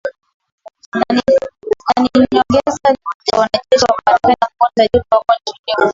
Na ni nyongeza ya wanajeshi wa Marekani ambao tayari wako nchini humo